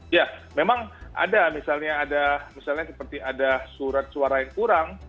ya memang ada misalnya ada surat suara yang kurang